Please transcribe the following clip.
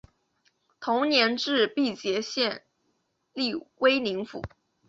同年置毕节县隶威宁府。